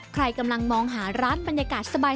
ใครกำลังมองหาร้านบรรยากาศสบาย